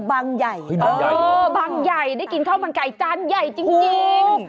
บางใหญ่บางใหญ่ได้กินข้าวมันไก่จานใหญ่จริง